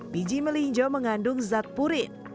biji melinjo mengandung zat purin